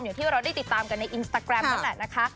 อย่างที่เราได้ติดตามกันในอินสตาแกรมนั่นแหละนะคะ